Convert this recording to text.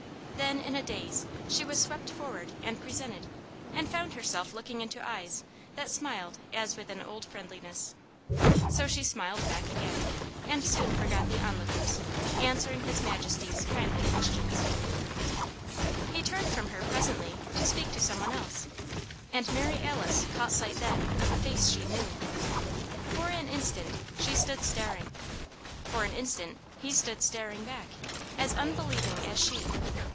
Then, in a daze, she was swept forward and presented, and found herself looking into eyes that smiled as with an old friendliness. So she smiled back again, and soon forgot the onlookers, answering His Majesty's kindly questions. [Illustration: "... found herself looking into eyes that smiled as with an old friendliness."] He turned from her, presently, to speak to some one else, and Mary Alice caught sight then of a face she knew. For an instant, she stood staring. For an instant, he stood staring back, as unbelieving as she.